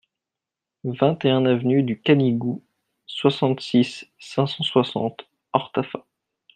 vingt et un avenue du Canigou, soixante-six, cinq cent soixante, Ortaffa